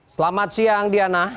selamat siang diana